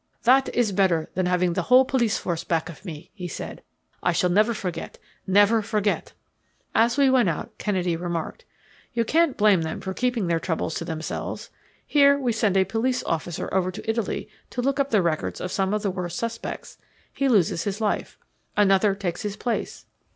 "That is better than having the whole police force back of me," he said. "I shall never forget, never forget." As we went out Kennedy remarked: "You can't blame them for keeping their troubles to themselves. Here we send a police officer over to Italy to look up the records of some of the worst suspects. He loses his life. Another takes his place.